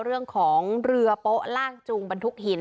เรื่องของเรือโป๊ะลากจูงบรรทุกหิน